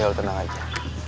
ya udah tenang aja